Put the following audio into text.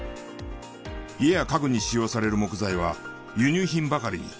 家や家具に使用される木材は輸入品ばかりに。